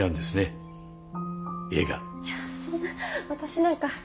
いやそんな私なんかとても。